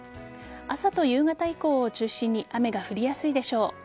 朝と夕方以降を中心に雨が降りやすいでしょう。